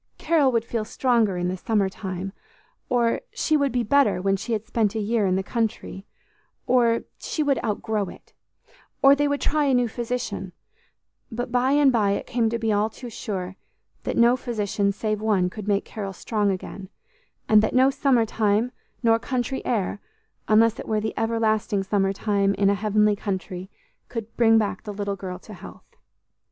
"Carol would feel stronger in the summer time;" or, "She would be better when she had spent a year in the country;" or, "She would outgrow it;" or, "They would try a new physician;" but by and by it came to be all too sure that no physician save One could make Carol strong again, and that no "summer time" nor "country air," unless it were the everlasting summer time in a heavenly country, could bring back the little girl to health.